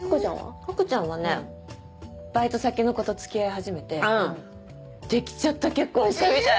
福ちゃんはねバイト先の子と付き合い始めてできちゃった結婚したみたい。